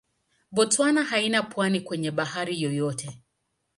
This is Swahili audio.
Botswana haina pwani kwenye bahari yoyote.